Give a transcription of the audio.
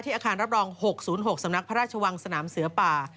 อาคารรับรอง๖๐๖สำนักพระราชวังสนามเสือป่า